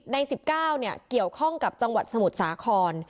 ใน๑๙เกี่ยวข้องกับจังหวัดสมุทรสาคร